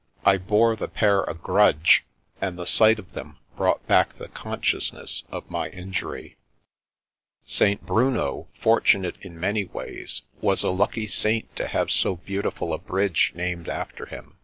I bore the pair a grudge, and the sight The World without the Boy 339 of them brought back the consciousness of my injury. St. Bruno, fortunate in many ways, was a lucky saint to have so beautiful a bridge named after him.